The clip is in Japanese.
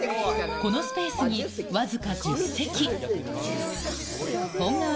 このスペースに僅か１０席。